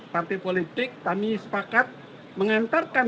partai politik kami sepakat mengantarkan